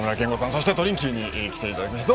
そして、トリンキーに来ていただきました。